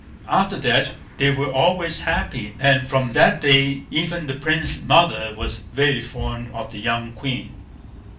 After that they were always happy; and from that day even the Prince's mother was very fond of the young queen.